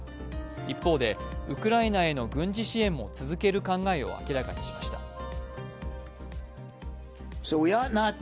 一方でウクライナへの軍事支援も続ける考えを明らかにしました。